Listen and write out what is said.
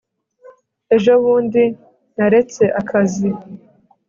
ejo bundi naretse akazi